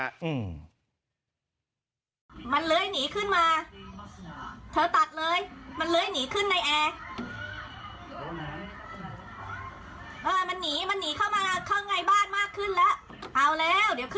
เธอมันหนีใหญ่แล้วว่าเฮ้ยเอาแล้วเข้ามาในบ้านแล้ว